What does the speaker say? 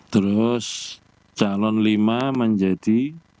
terus calon lima menjadi tujuh puluh empat tujuh ratus lima puluh